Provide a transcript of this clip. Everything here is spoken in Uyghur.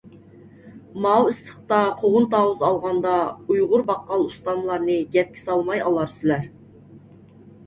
ماۋۇ ئىسسىقتا قوغۇن-تاۋۇز ئالغاندا ئۇيغۇر باققال ئۇستاملارنى گەپكە سالماي ئالارسىلەر.